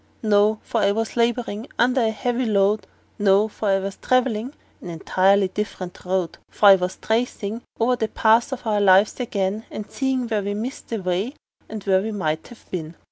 No for I was laborin' under a heavy load; No for I was travelin' an entirely different road; For I was a tracin' over the path of our lives ag'in, And seein' where we missed the way, and where we might have been.